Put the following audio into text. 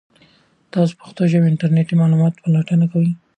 تاسو په پښتو ژبه د انټرنیټي معلوماتو پلټنه کوئ؟